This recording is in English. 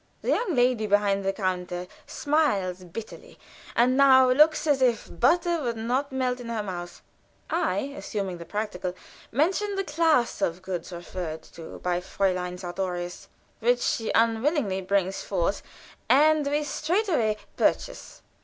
The young lady behind the counter smiles bitterly, and now looks as if butter would not melt in her mouth. I, assuming the practical, mention the class of goods referred to by Fräulein Sartorius, which she unwillingly brings forth, and we straightway purchase.